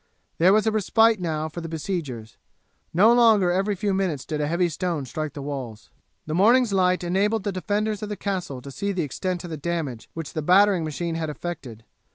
There was a respite now for the besiegers. No longer every few minutes did a heavy stone strike the walls. The morning's light enabled the defenders of the castle to see the extent of the damage which the battering machine had effected.